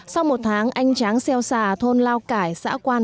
sau một tháng anh tráng xeo xà thôn lao cải xã quan